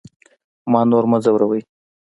ما نور مه ځوروئ